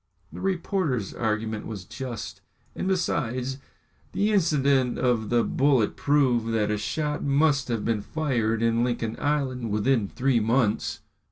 The reporter's argument was just, and besides, the incident of the bullet proved that a shot must have been fired in Lincoln Island within three months.